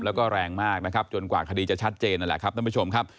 แล้วก็แรงมากนะครับจนกว่าคดีจะชัดเจนนั่นแหละครับท่านผู้ชมครับ